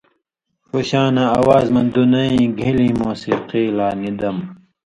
ݜُو شاں آواز مہ دُنئیں گِھن٘لی موسیقی لا نی دم۔